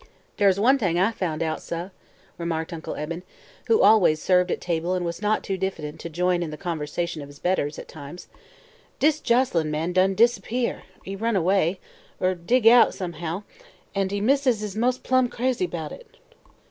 "Dar's one thing I foun' out, seh," remarked Uncle Eben, who always served at table and was not too diffident to join in the conversation of his betters, at times; "dis Joselyn man done dis'pear er run away er dig out, somehow an' he missus is mos' plumb crazy 'bout it."